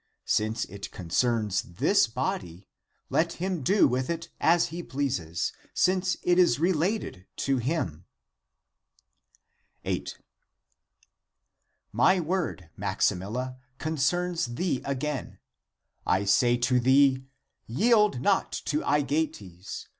Since it concerns this body, let him do with it as he pleases, since it is related to him ! 2o8 THE APOCRYPHAL ACTS 8. " My word, Maximilla, concerns thee again. I say to thee, Yield not to Aegeates